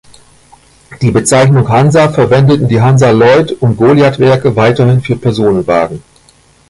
Die Bezeichnung "Hansa" verwendeten die „Hansa-Lloyd und Goliath-Werke“ weiterhin für Personenwagen.